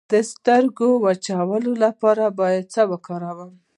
د سترګو د وچوالي لپاره باید څه وکاروم؟